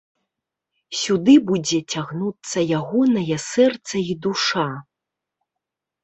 Сюды будзе цягнуцца ягонае сэрца і душа.